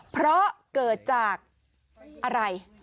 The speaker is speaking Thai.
เพราะเกิดจากอะไร